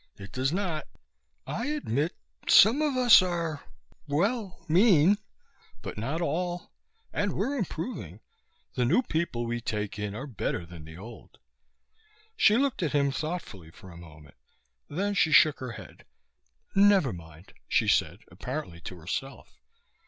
It does not! I admit some of us are, well, mean. But not all. And we're improving. The new people we take in are better than the old." She looked at him thoughtfully for a moment. Then she shook her head. "Never mind," she said apparently to herself.